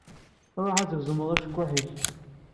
Ṛuḥ ad d-tgezmeḍ acekkuḥ-ik.